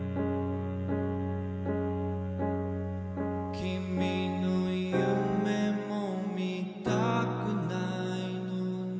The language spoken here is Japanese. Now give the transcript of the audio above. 「君の夢も見たくないのに」